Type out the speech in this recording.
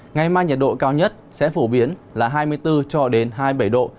ngày mai nhiệt độ cao nhất sẽ phổ biến là hai mươi bốn cho đến hai mươi bảy độ